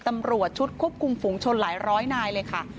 ตำรวจชุดควบคุมฝุงชนหลายร้อยนายเลยค่ะ